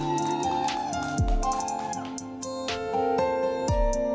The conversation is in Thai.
ว่าแค่งั้นคราวจะดีเลย